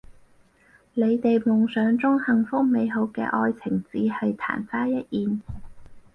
你哋夢想中幸福美好嘅愛情只係曇花一現